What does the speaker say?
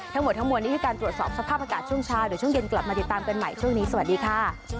ทั้งหมดทั้งมวลนี้คือการตรวจสอบสภาพอากาศช่วงเช้าเดี๋ยวช่วงเย็นกลับมาติดตามกันใหม่ช่วงนี้สวัสดีค่ะ